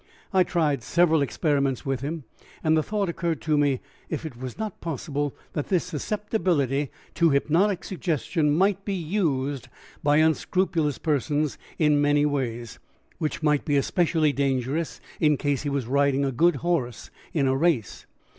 "I tried several experiments with him, and the thought occurred to me if it was not possible that this susceptibility to hypnotic suggestion might be used by unscrupulous persons in many ways, which might be especially dangerous in case he was riding a good horse in a race.